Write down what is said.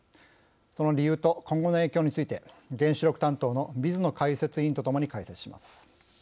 その理由と今後の影響について原子力担当の水野解説委員とともに解説します。